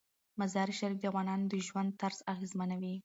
مزارشریف د افغانانو د ژوند طرز اغېزمنوي.